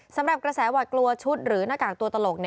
สำหรับกระแสหวัดกลัวชุดหรือหน้ากากตัวตลก